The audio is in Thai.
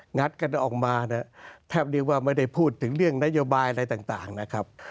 งัดกันออกมาแทบเรียกว่าไม่ได้พูดถึงเรื่องนโยบายอะไรต่างนะครับ